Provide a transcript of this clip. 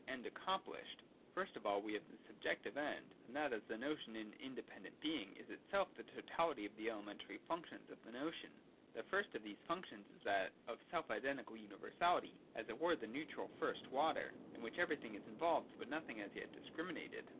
End accomplished. First of all we have the Subjective End ; and that, as the notion in independent being, is itself the totality of the elementary functions of the notion. The first of these functions is that of self identical universality, as it were the neutral first water, in which everything is involved, but nothing as yet discriminated.